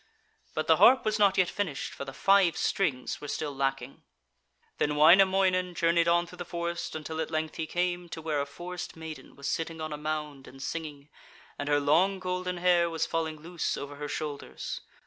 But the harp was not yet finished, for the five strings were still lacking. Then Wainamoinen journeyed on through the forest, until at length he came to where a forest maiden was sitting on a mound and singing, and her long golden hair was falling loose over her shoulders.